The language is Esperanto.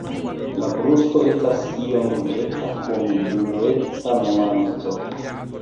La brusto estas iom ruĝeca kun blueca nuanco.